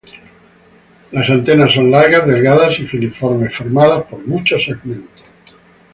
Las antenas son largas, delgadas y filiformes, formadas por muchos segmentos.